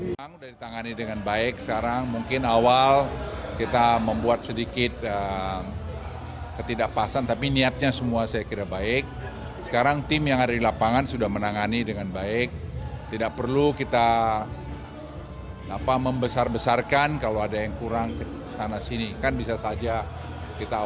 luhut bidang kemaritiman dan investasi luhut binsar panjaitan